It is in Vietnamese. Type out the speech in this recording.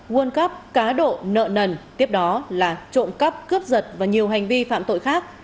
world cắp cá độ nợ nần tiếp đó là trộm cắp cướp giật và nhiều hành vi phạm tội khác